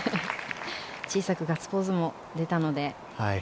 小さくガッツポーズも出たので。